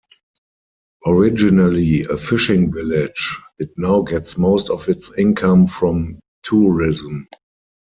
Originally a fishing village, it now gets most of its income from tourism.